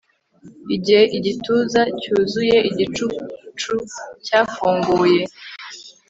Igihe igituza cyuzuye igicucu cyafunguye